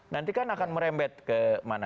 nanti kan akan merembet ke mana